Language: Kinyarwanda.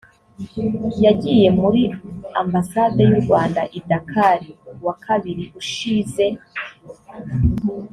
yagiye muri ambasade y’u rwanda i dakar wa kabiri ushize